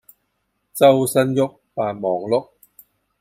周身郁，扮忙碌